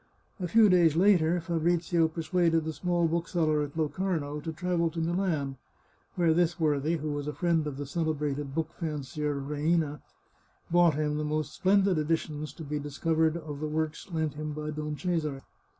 A few days later Fabrizio persuaded the small book seller at Locarno to travel to Milan, where this worthy, who was a friend of the celebrated book fancier, Reina, bought 419 The Chartreuse of Parma him the most splendid editions to be discovered of the works lent him by Don Cesare.